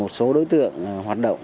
một số đối tượng hoạt động